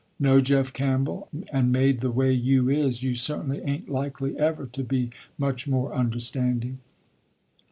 "No, Jeff Campbell, and made the way you is you certainly ain't likely ever to be much more understanding."